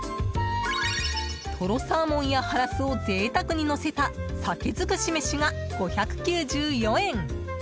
トロサーモンやハラスを贅沢にのせた鮭づくし飯が５９４円。